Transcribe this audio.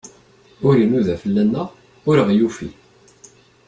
Ur inuda fell-aneɣ, ur aɣ-yufi.